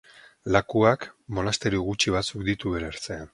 Lakuak, monasterio gutxi batzuk ditu bere ertzean.